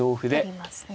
取りますね。